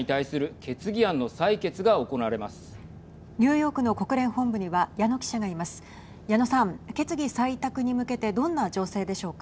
決議採択に向けてどんな情勢でしょうか。